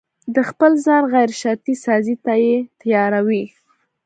د خپل ځان غيرشرطي سازي ته يې تياروي.